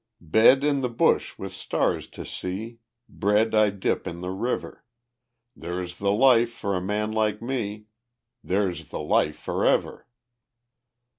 Bed in the bush with stars to see, Bread I dip in the river There's the life for a man like me, There's the life forever.